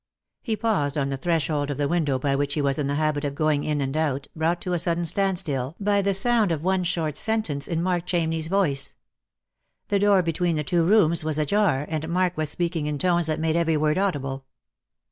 He paused on the threshold of the window by which he was in the habit of going in and out, brought to a sudden stand still by the sound of one short sentence in Mark Chamney's voice. The door between the two rooms was ajar, and Mark was speaking in tones that made every word audible.